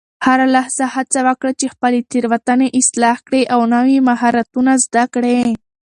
هره لحظه هڅه وکړه چې خپلې تیروتنې اصلاح کړې او نوي مهارتونه زده کړې.